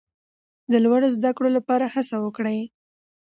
د لوړو زده کړو لپاره هڅه وکړئ.